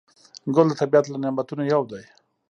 ګل د طبیعت له نعمتونو یو دی.